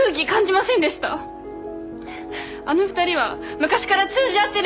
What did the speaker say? あの２人は昔から通じ合ってる。